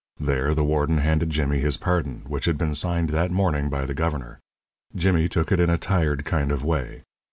There the warden handed Jimmy his pardon, which had been signed that morning by the governor. Jimmy took it in a tired kind of way.